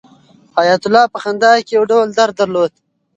حیات الله په خندا کې یو ډول درد درلود.